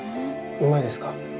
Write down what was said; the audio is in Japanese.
うまいですか？